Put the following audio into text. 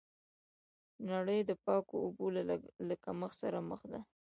نړۍ د پاکو اوبو له کمښت سره مخ ده.